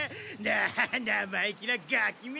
生意気なガキめ！